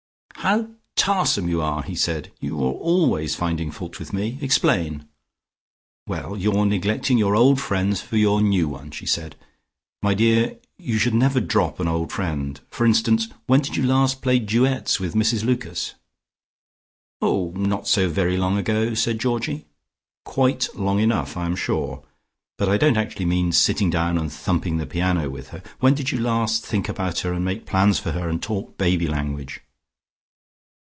"How tarsome you are!" he said. "You're always finding fault with me. Explain." "Well, you're neglecting your old friends for your new one," she said. "My dear, you should never drop an old friend. For instance, when did you last play duets with Mrs Lucas?" "Oh, not so very long ago," said Georgie. "Quite long enough, I am sure. But I don't actually mean sitting down and thumping the piano with her. When did you last think about her and make plans for her and talk baby language?"